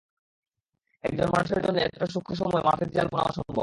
একজন মানুষের জন্য এতটা সূক্ষ্ম সময় মাফিক জাল বোনা অসম্ভব।